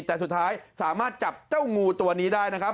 แต่สุดท้ายสามารถจับเจ้างูตัวนี้ได้นะครับ